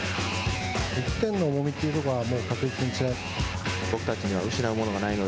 １点の重みというところが確実に違う。